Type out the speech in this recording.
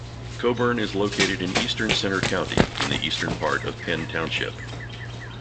Coburn is located in eastern Centre County, in the eastern part of Penn Township.